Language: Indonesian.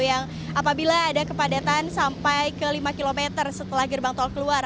apabila ada kepadatan sampai ke lima kilometer setelah gerbang tau keluar